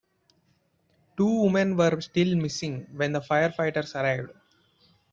Two women were still missing when the firefighters arrived.